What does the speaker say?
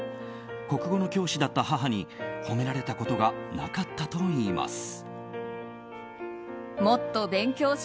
国語の教師だった母に褒められたことがなかったといいます。